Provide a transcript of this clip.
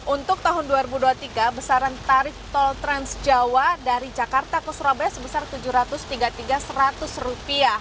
untuk tahun dua ribu dua puluh tiga besaran tarif tol transjawa dari jakarta ke surabaya sebesar rp tujuh ratus tiga puluh tiga seratus